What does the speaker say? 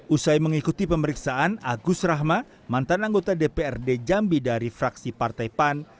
usai mengikuti pemeriksaan agus rahma mantan anggota dprd jambi dari fraksi partai pan